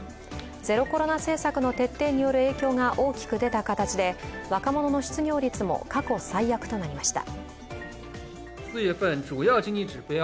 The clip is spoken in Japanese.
ゼロコロナ政策の徹底による影響が大きく出た形で若者の失業率も過去最悪となりました。